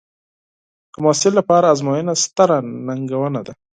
د محصل لپاره ازموینه ستره ننګونه ده.